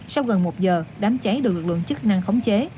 sau gần một giờ đám cháy được lực lượng chức năng khống chế